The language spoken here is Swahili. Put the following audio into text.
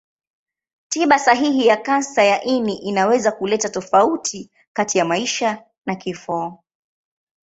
Tiba sahihi ya kansa ya ini inaweza kuleta tofauti kati ya maisha na kifo.